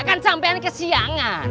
kan sampean kesiangan